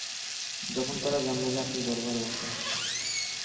যখন তারা জানল যে, আপনি দরবারে বসা।